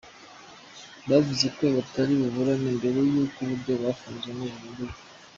Bavuze ko batari buburane mbere y'uko uburyo bafunzemo buhindurwa.